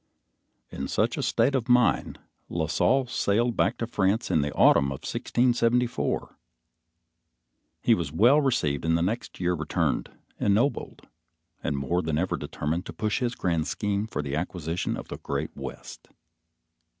In such state of mind, La Salle sailed back to France in the autumn of 1674. He was well received and the next year returned, ennobled, and more than ever determined to push his grand scheme for the acquisition of the great West.